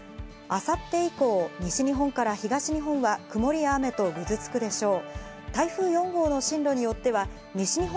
あさって以降、西日本から東日本は曇りや雨とぐずつくでしょう。